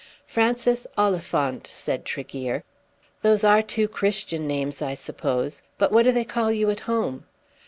"Francis Oliphant," said Tregear. "Those are two Christian names I suppose, but what do they call you at home?"